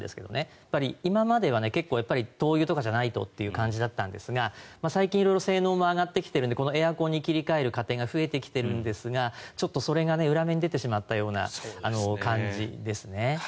やっぱり今までは灯油とかじゃないとという感じだったんですが最近、色々性能も上がってきているのでこのエアコンに切り替える家庭が増えてきているんですがちょっとそれが裏目に出てしまったような感じですね。